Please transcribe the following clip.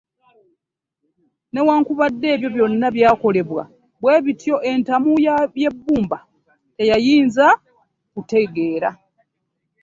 Newakubadde ebyo byonna byakolebwa bwe bityo entamu y'ebbumba teyayinza kutegeera.